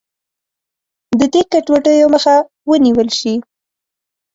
د دې ګډوډیو مخه ونیول شي.